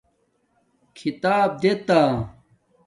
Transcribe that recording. کتاپ دیتا